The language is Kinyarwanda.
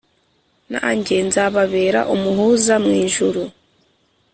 nanjye nzababera umuhuza mu ijuru